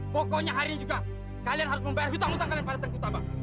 sekarang juga kalian harus membayar hutang hutang kalian di tengku tabak